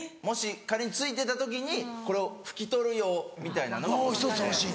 もし仮に付いてた時にこれを拭き取る用みたいなのが欲しくて。